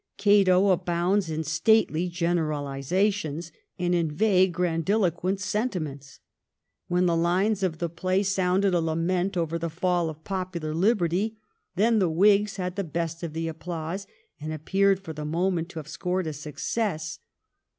'Cato' abounds in stately generalisations and in vaguely grandiloquent senti ments. When the Hnes of the play sounded a lament over the fall of popular liberty, then the Whigs had the best of the applause, and appeared for the moment to have scored a success.